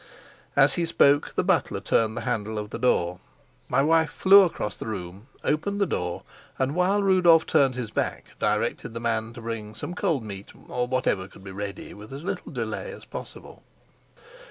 As he spoke the butler turned the handle of the door. My wife flew across the room, opened the door, and, while Rudolf turned his back, directed the man to bring some cold meat, or whatever could be ready with as little delay as possible.